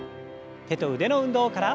手と腕の運動から。